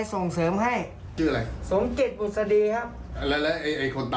บอกชื่อเล่นชื่อเล่น